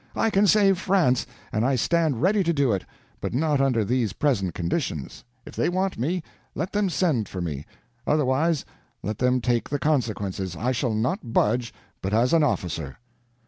I can save France, and I stand ready to do it, but not under these present conditions. If they want me, let them send for me; otherwise, let them take the consequences; I shall not budge but as an officer."